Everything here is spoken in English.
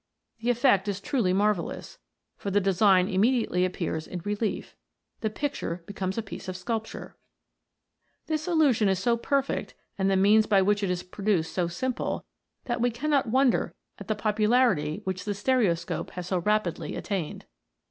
The effect is truly marvellous, for the de sign immediately appears in relief the picture becomes a piece of sculpture ! This illusion is so perfect, and the means by which it is produced so simple, that we cannot wonder at the popularity which the stereoscope has so rapidly attained.